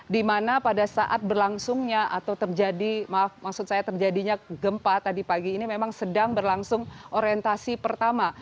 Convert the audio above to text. di mana pada saat berlangsungnya atau terjadi maaf maksud saya terjadinya gempa tadi pagi ini memang sedang berlangsung orientasi pertama